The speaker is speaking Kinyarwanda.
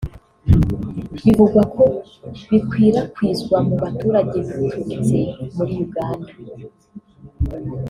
bivugwa ko bikwirakwizwa mu baturage biturutse muri Uganda